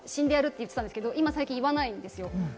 と言っていたんですけれども、最近はないんですよ。